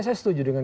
saya setuju dengan